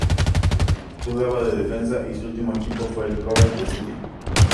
Jugaba de defensa y su último equipo fue el Coventry City.